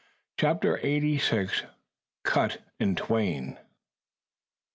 CHAPTER EIGHTY SIX. CUT IN TWAIN.